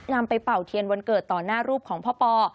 นำไปเป่าเทียนวันเกิดต่อหน้ารูปของพ่อปอ